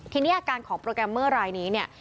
ทีนี้อาการของโปรแกรมเมอร์รายนี้เนี่ย